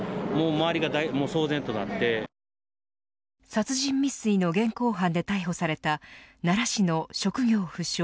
殺人未遂の現行犯で逮捕された奈良市の職業不詳